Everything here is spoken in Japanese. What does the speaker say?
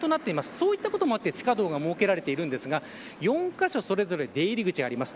そういったこともあって地下道が設けられているんですが４カ所それぞれ出入り口があります。